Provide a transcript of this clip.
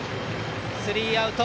スリーアウト。